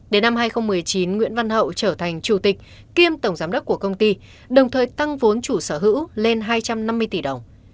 đến năm hai nghìn một mươi chín nguyễn văn hậu trở thành chủ tịch kiêm tổng giám đốc của công ty đồng thời tăng vốn chủ sở hữu lên hai trăm năm mươi tỷ đồng